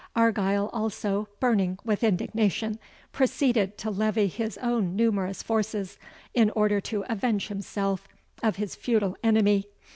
Argyle also, burning with indignation, proceeded to levy his own numerous forces, in order to avenge himself of his feudal enemy.